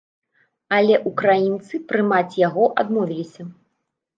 Але ўкраінцы прымаць яго адмовіліся.